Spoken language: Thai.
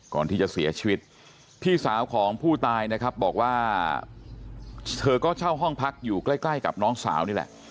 ก่อนที่จะเสียชีวิตพี่สาวของผู้ตายนะครับบอกว่าเธอก็เช่าห้องพักอยู่ใกล้ใกล้กับน้องสาวนี่แหละ